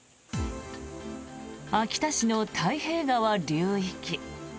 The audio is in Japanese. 秋田市の太平川流域。